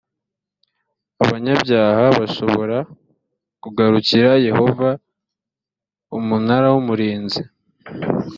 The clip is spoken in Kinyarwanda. abanyabyaha bashobora kugarukira yehova umunara w umurinzi